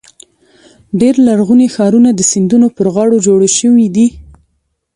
ډېری لرغوني ښارونه د سیندونو پر غاړو جوړ شوي دي.